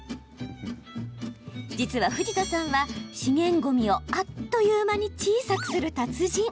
実は藤田さんは、資源ごみをあっという間に小さくする達人。